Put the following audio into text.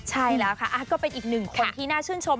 ใช่แล้วค่ะก็เป็นอีกหนึ่งคนที่น่าชื่นชม